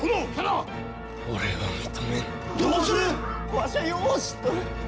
わしはよう知っとる！